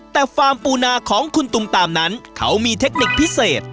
แต่ฟาร์มปูนาของคุณตุมตามนั้นเขามีเทคนิคพิเศษ